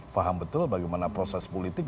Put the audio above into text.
faham betul bagaimana proses politik